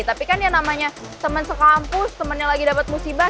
tapi kan yang namanya temen sekampus temen yang lagi dapet musibah